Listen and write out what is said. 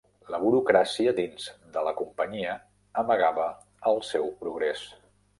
La burocràcia dins de la companyia amagava el seu progrés.